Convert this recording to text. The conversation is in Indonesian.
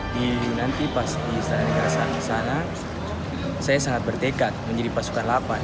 di nanti pas di istana negara sana saya sangat bertekad menjadi pasukan lapan